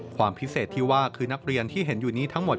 ความพิเศษที่ว่าคือนักเรียนที่เห็นอยู่นี้ทั้งหมด